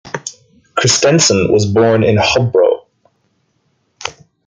Kristensen was born in Hobro.